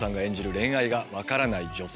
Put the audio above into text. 恋愛が分からない女性。